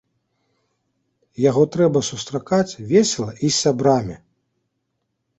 Яго трэба сустракаць весела і з сябрамі!